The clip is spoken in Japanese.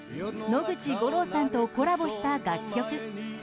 野口五郎さんとコラボした楽曲。